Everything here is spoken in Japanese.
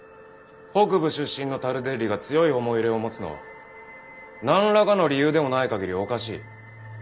北部出身のタルデッリが強い思い入れを持つのは何らかの理由でもないかぎりおかしい。